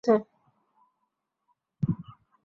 এবং দেখলাম কেউ আমার বাড়ির জানালা ভেংগে ভেতরে ঢুকেছে।